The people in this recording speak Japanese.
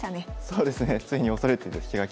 そうですね。